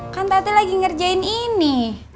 kan tati lagi ngerjain ini